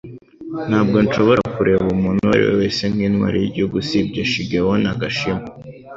Ntabwo nshobora kureba umuntu uwo ari we wese nk'intwari y'igihugu usibye Shigeo Nagashima